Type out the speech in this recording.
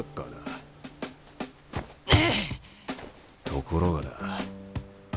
ところがだ